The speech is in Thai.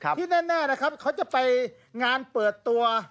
ที่แน่นะครับเขาจะไปงานเปิดตัว